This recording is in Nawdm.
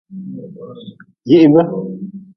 Yihbe.